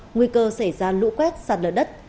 nguy cơ xảy ra lũ quét sạt lở đất